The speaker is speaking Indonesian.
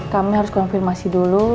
kami harus konfirmasi dulu